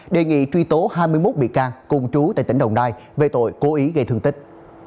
đề nghị truy tố hai mươi một bị can cùng chú tại tỉnh đồng nai về tội cố ý gây thương tích